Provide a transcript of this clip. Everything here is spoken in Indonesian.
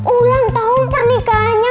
ulang tahun pernikahannya